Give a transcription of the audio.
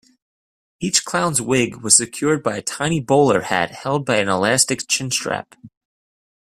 Each clown's wig was secured by a tiny bowler hat held by an elastic chin-strap.